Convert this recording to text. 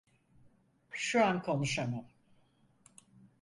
Şu an konuşamam.